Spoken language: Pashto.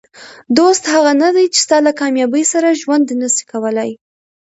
دوست هغه نه دئ، چي ستا له کامیابۍ سره ژوند نسي کولای.